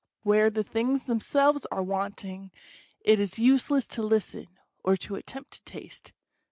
Where the things themselves are want ing it is useless to listen, or to attempt to taste.